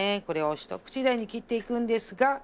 これを一口大に切っていくんですが。